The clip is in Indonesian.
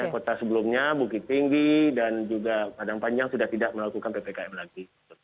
kota sebelumnya bukit tinggi dan juga padang panjang sudah tidak melakukan ppkm lagi